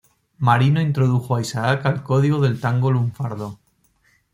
Marino introdujo a Isaac al código del tango lunfardo.